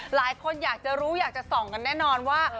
หลายคนอยากจะรู้อยากจะส่องกันแน่นอนว่า